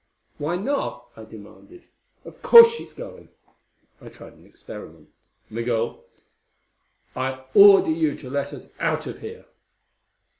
"Why not?" I demanded. "Of course she's going." I tried an experiment. "Migul, I order you to let us out of here."